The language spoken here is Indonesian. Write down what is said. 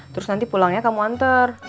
terus nanti pulangnya kamu antar